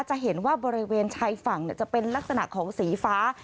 จะเห็นว่าบริเวณชายฝั่งจะเป็นลักษณะของสีฟ้า